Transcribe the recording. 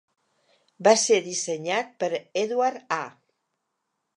Va ser dissenyat per Edward A.